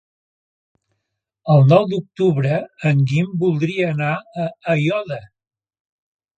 El nou d'octubre en Guim voldria anar a Aiòder.